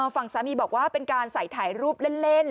ฝั่งสามีบอกว่าเป็นการใส่ถ่ายรูปเล่น